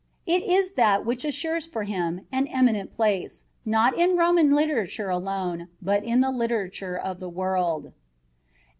It is that which assures for him an eminent place, not in Roman literature alone, but in the literature of the world.